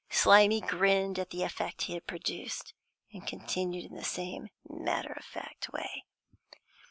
Slimy grinned at the effect he had produced, and continued in the same matter of fact way.